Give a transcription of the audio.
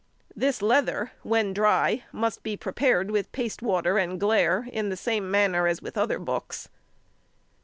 This leather, when dry, must be prepared with paste water and glaire, in the same manner as with other books.